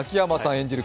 演じる